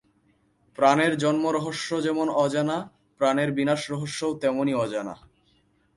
প্রাণের জন্ম-রহস্য যেমন অজানা, প্রাণের বিনাশ-রহস্যও তেমনি অজানা।